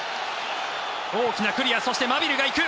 大きなクリアそして、マビルが行く。